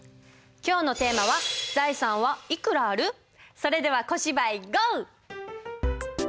今日のテーマはそれでは小芝居ゴー！